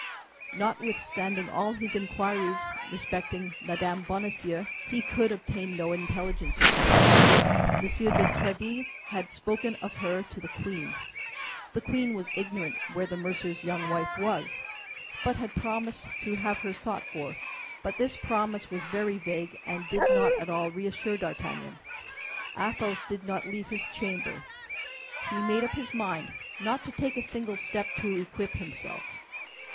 Notwithstanding all his inquiries respecting Mme. Bonacieux, he could obtain no intelligence of her. M. de Tréville had spoken of her to the queen. The queen was ignorant where the mercer's young wife was, but had promised to have her sought for; but this promise was very vague and did not at all reassure D'Artagnan. Athos did not leave his chamber; he made up his mind not to take a single step to equip himself.